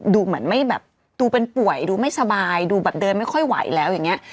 ดูเหมือนไม่แบบดูเป็นป่วยดูไม่สบายดูแบบเดินไม่ค่อยไหวแล้วอย่างนี้